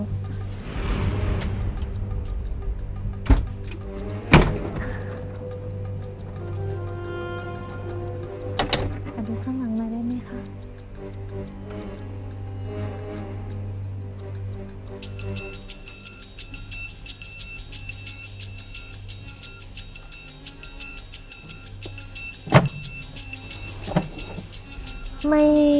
กระดูกข้างหลังมาได้ไหมคะ